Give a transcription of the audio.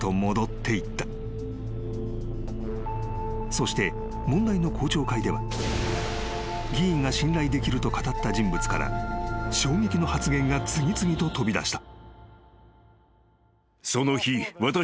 ［そして問題の公聴会では議員が信頼できると語った人物から衝撃の発言が次々と飛び出した］